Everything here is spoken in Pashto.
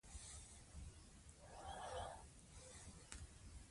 هر چا د خپلواکۍ په اړه خبرې کولې.